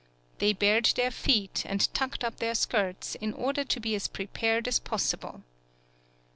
They bared their feet, and tucked up their skirts, in order to be as prepared as possible.